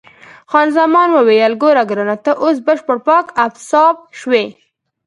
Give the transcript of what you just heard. خان زمان وویل: ګوره ګرانه، ته اوس بشپړ پاک او صاف شوې.